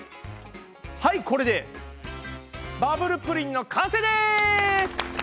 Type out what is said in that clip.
はいこれでバブルプリンの完成です！